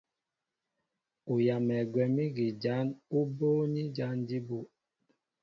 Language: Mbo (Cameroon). Ú yamɛ gwɛ̌m ígi jǎn ú bóóní jǎn jí bū.